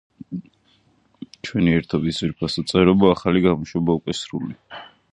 მალე თემურლენგსა და ჰუსეინს შორის დაიწყო ბრძოლა ხელისუფლებისათვის.